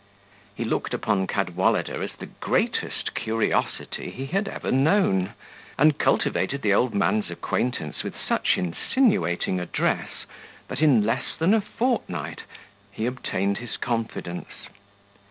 He looked upon Cadwallader as the greatest curiosity he had ever known, and cultivated the old man's acquaintance with such insinuating address, that in less than a fortnight he obtained his confidence.